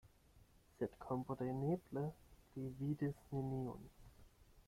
Sed kompreneble li vidis neniun.